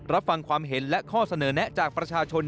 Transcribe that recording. รับฟังความเห็นและข้อเสนอแนะจากประชาชน